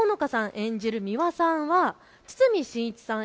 演じるミワさんは堤真一さん